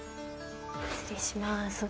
失礼します。